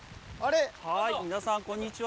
・はいみなさんこんにちは！